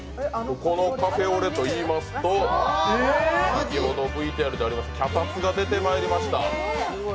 ここのカフェオレといいますと、先ほどＶＴＲでありました脚立が出てきました